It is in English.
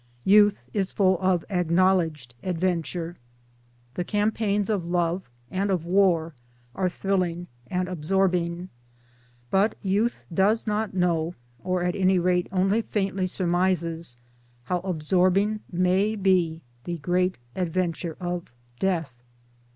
Youth is full of acknowledged adventure,; the cam 301 BP2 MY DAYS AND DREAMS paigns of Love and of War are thrilling and absorb ing ; but youth does not know^ or at any rate only faintly surmises how absorbing may be the great adventure of Death.